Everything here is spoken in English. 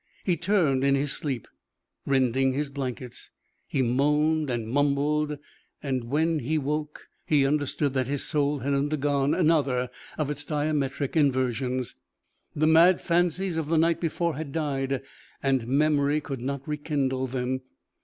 He turned in his sleep, rending his blankets. He moaned and mumbled. When he woke, he understood that his soul had undergone another of its diametric inversions. The mad fancies of the night before had died and memory could not rekindle them.